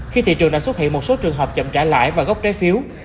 khi thị trường đã xuất hiện một số trường hợp chậm trả lãi và gốc trái phiếu